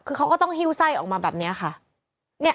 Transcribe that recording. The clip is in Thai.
คือเขาก็ต้องหิ้วไส้ออกมาแบบนี้ค่ะ